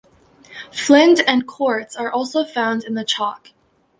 Flint and quartz are also found in the chalk.